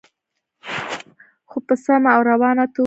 خو په سمه او روانه توګه.